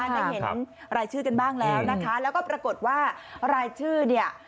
ได้เห็นรายชื่อกันบ้างแล้วนะคะแล้วก็ปรากฏว่ารายชื่อเนี่ย